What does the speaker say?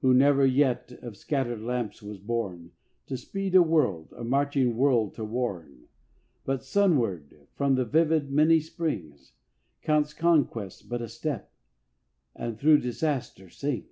Who never yet of scattered lamps was born To speed a world, a marching world to warn, But sunward from the vivid Many springs, Counts conquest but a step, and through disaster sings.